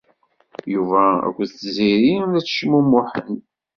Yuba akked Tiziri la ttecmumuḥen.